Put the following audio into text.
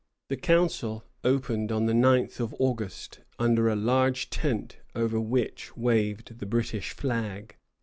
The council opened on the ninth of August, under a large tent, over which waved the British flag.